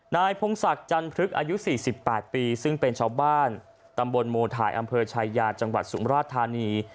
นายพงศักดิ์จันพลึกอายุ๔๘ปีซึ่งเป็นชาวบ้านตำบลโมทายอำเภอชายาจังหวัดสุมราชธานี